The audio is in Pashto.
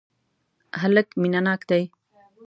هلک مینه ناک دی.